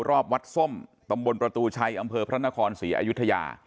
รอบวัดส้มตำบลประตูชัยอำเภอพระนครศรีอยุธยา